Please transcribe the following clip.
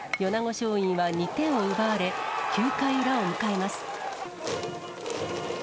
松蔭は２点を奪われ、９回裏を迎えます。